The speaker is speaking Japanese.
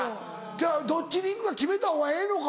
じゃあどっちに行くか決めたほうがええのか？